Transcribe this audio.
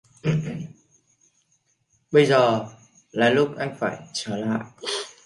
Bây giờ là lúc anh phải trở lại